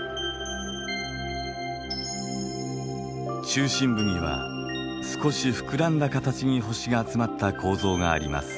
中心部には少し膨らんだ形に星が集まった構造があります。